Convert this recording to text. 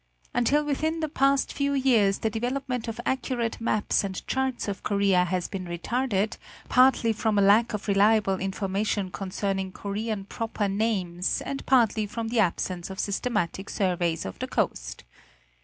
Until within the past few years the development of accurate maps and charts of Korea has been retarded, partly from a lack of reliable information concerning Korean proper names, and partly from the absence of systematic surveys of the coast.